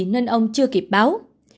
nên ông chưa kịp báo